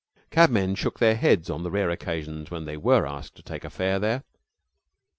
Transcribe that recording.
Cabmen shook their heads on the rare occasions when they were asked to take a fare there.